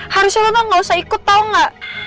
harusnya lo tau gak usah ikut tau gak